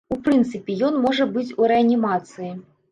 У прынцыпе, ён можа быць у рэанімацыі.